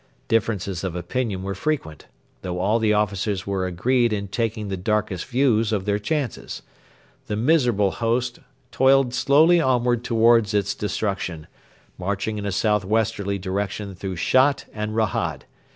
Differences of opinion were frequent, though all the officers were agreed in taking the darkest views of their chances. The miserable host toiled slowly onward towards its destruction, marching in a south westerly direction through Shat and Rahad.